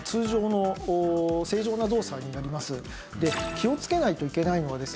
気をつけないといけないのはですね